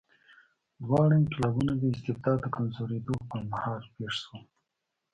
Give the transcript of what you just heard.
دواړه انقلابونه د استبداد د کمزورېدو پر مهال پېښ شول.